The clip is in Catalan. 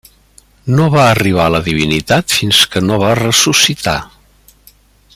No va arribar a la divinitat fins que no va ressuscitar.